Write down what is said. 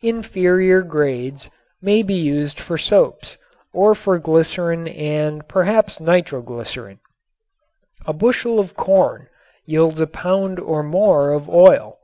Inferior grades may be used for soaps or for glycerin and perhaps nitroglycerin. A bushel of corn yields a pound or more of oil.